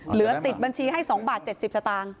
เหลือติดบัญชีให้๒บาท๗๐สตางค์